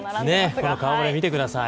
この顔ぶれ見てください。